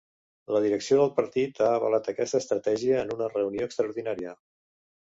La direcció del partit ha avalat aquesta estratègia en una reunió extraordinària